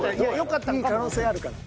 いい可能性あるから。